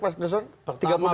mas nusun tiga menit